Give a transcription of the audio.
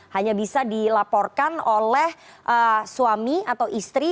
hanya bisa dilaporkan oleh suami atau istri